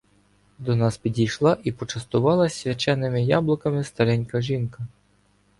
До нас підійшла і почастувала свяченими яблуками старенька жінка.